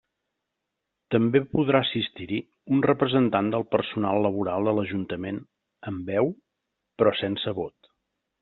També podrà assistir-hi un representant del personal laboral de l'Ajuntament amb veu, però sense vot.